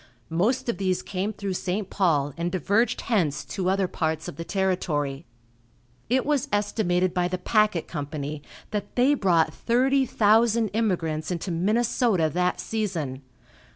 Most of these came through St. Paul and diverged hence to other parts of the territory. It was estimated by the packet company that they brought thirty thousand immigrants into Minnesota that season.